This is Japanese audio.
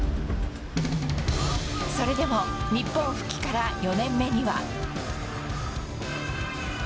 それでも日本復帰から４年目には。